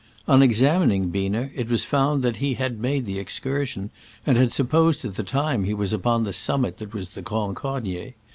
On examining Biener, it was found that he had made the excursion, and had supposed at the time he was upon its summit that it was the Grand Cornier.